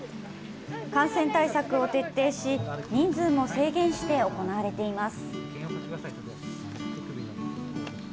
感染対策を徹底し、人数も制限して行われています。